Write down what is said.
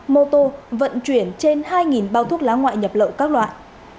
mô tô vận chuyển trên hai bao thuốc lá ngoại nhập lậu các loại